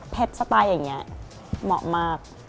สไตล์อย่างนี้เหมาะมาก